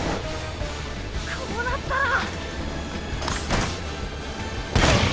こうなったら！